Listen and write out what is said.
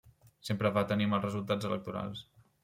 Sempre va tenir mals resultats electorals.